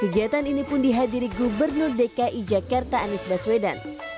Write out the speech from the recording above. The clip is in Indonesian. kegiatan ini pun dihadiri gubernur dki jakarta anies baswedan